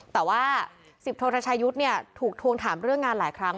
แต่ว่า๑๐โททชายุทธ์ถูกทวงถามเรื่องงานหลายครั้ง